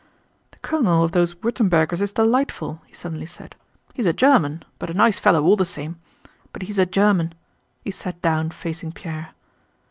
"The colonel of those Württembergers is delightful," he suddenly said. "He's a German, but a nice fellow all the same.... But he's a German." He sat down facing Pierre.